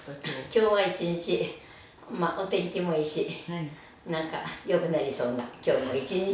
今日は一日お天気もいいしなんか良くなりそうな今日一日。